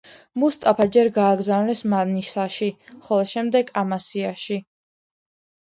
მუსტაფა ჯერ გააგზავნეს მანისაში, ხოლო შემდეგ ამასიაში.